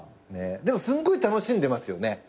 でもすんごい楽しんでますよね。